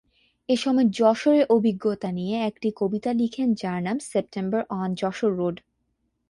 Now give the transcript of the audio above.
এসময় যশোরের অভিজ্ঞতা নিয়ে একটি কবিতা লিখেন যার নাম সেপ্টেম্বর অন যশোর রোড।